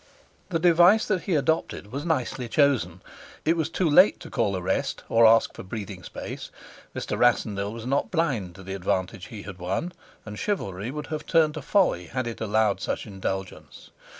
The device that he adopted was nicely chosen. It was too late to call a rest or ask breathing space: Mr. Rassendyll was not blind to the advantage he had won, and chivalry would have turned to folly had it allowed such indulgence.